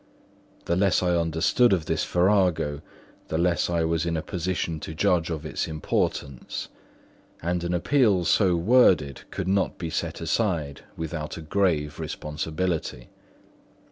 The less I understood of this farrago, the less I was in a position to judge of its importance; and an appeal so worded could not be set aside without a grave responsibility.